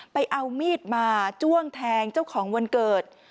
ไปเอามีดมาจ้วงแทงเจ้าของวันเกิด